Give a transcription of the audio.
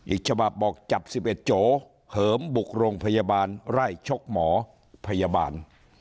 อีกฉบับบอกจับ๑๑โจเหิมบุกโรงพยาบาลไล่ชกหมอพยาบาล